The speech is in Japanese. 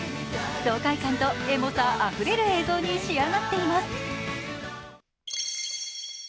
爽快感とエモさあふれる映像に仕上がっています。